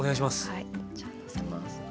はいじゃあのせます。